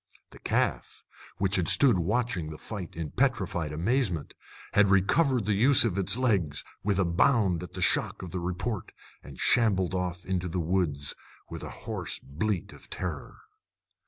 The calf, which had stood watching the fight in petrified amazement, had recovered the use of its legs with a bound at the shock of the report, and shambled off into the woods with a hoarse bleat of terror.